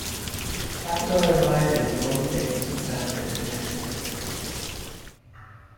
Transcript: Capital Advisors both based in Stamford, Connecticut.